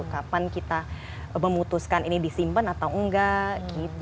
kapan kita memutuskan ini disimpan atau enggak gitu